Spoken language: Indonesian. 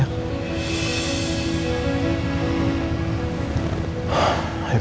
ayo kita ke dalam yuk